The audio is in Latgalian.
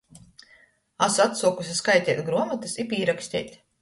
Asu atsuokuse skaiteit gruomotys i pīraksteit.